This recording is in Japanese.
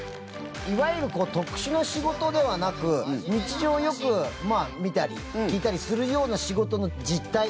いわゆる特殊な仕事ではなく日常、よく見たり聞いたりするような仕事の実態。